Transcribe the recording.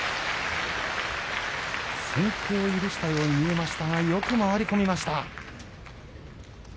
先手を許したように見えましたがよく回り込みました。